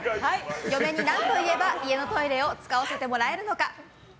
嫁に何と言えば家のトイレを使わせてもらえるのか？